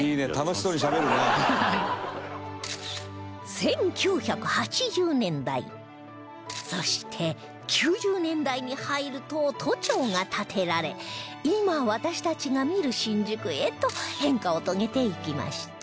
１９８０年代そして９０年代に入ると都庁が建てられ今私たちが見る新宿へと変化を遂げていきました